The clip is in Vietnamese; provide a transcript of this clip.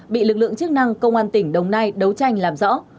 bị lực lượng chức năng công an tỉnh đồng nai đấu tranh làm rõ